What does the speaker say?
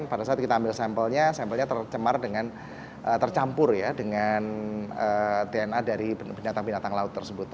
pada saat kita ambil sampelnya sampelnya tercampur dengan dna dari binatang binatang laut tersebut